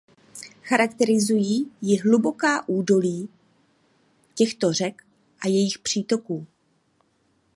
Charakterizují ji hluboká údolí těchto řek a jejich přítoků.